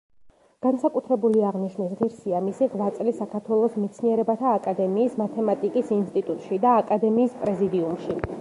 განსაკუთრებული აღნიშვნის ღირსია მისი ღვაწლი საქართველოს მეცნიერებათა აკადემიის მათემატიკის ინსტიტუტში და აკადემიის პრეზიდიუმში.